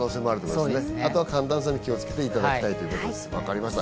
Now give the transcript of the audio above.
寒暖差に気をつけていただきたいということですね。